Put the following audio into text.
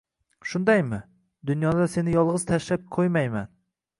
Shundaymi? Dunyoda seni yolg'iz tashlab ko'ymayman.